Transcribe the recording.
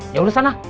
ya urusan lah